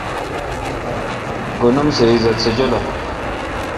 گن اُم سہ عزت سہ جولہ۔